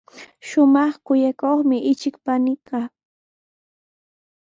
Shumaq kuyakuqmi ichik paniiqa.